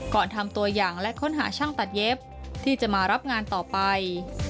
ทำตัวอย่างและค้นหาช่างตัดเย็บที่จะมารับงานต่อไป